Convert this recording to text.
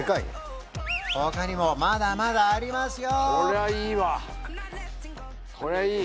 他にもまだまだありますよ